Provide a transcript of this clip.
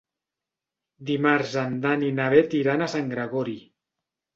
Dimarts en Dan i na Bet iran a Sant Gregori.